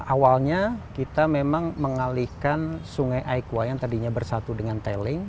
awalnya kita memang mengalihkan sungai aikwa yang tadinya bersatu dengan tailing